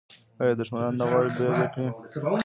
آیا دښمنان نه غواړي بیل یې کړي؟